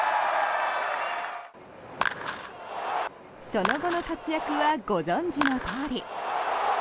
その後の活躍はご存じのとおり。